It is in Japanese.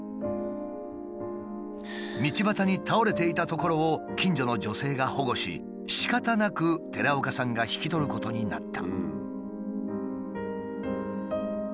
道端に倒れていたところを近所の女性が保護ししかたなく寺岡さんが引き取ることになった。